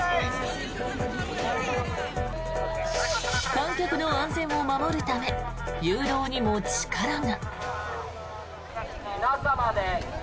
観客の安全を守るため誘導にも力が。